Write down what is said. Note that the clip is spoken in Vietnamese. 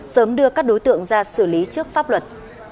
sớm đưa các đối tượng ra xử lý trước pháp luật